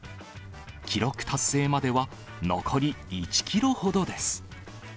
記録達成までは、残り１キロほどです。